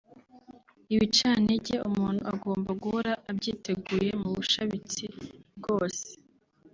Ibicantege umuntu agomba guhora abyiteguye mu bushabitsi bwose